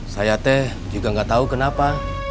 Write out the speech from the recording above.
saya teh juga gak tahu kenapa